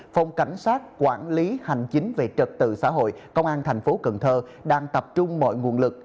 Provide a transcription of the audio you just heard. phòng cảnh sát quản lý hành chính về trật tự xã hội công an tp cn đang tập trung mọi nguồn lực